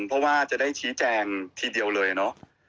เพราะว่าจะได้ชี้แจงทีเดียวเลยเนอะ